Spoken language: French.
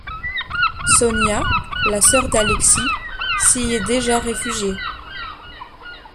Sonia, la sœur d'Alexis, s'y est déjà réfugiée.